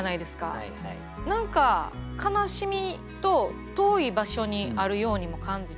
何か悲しみと遠い場所にあるようにも感じて。